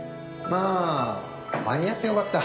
まあ間に合ってよかった。